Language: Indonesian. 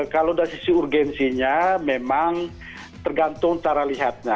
kalau dari sisi urgensinya memang tergantung cara lihatnya